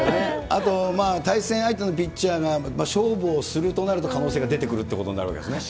あと、対戦相手のピッチャーが勝負をするとなると、可能性が出てくるということですよね。